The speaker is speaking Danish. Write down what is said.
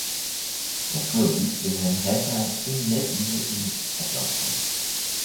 naturligvis ville han have sig en net lille en af blomsterne.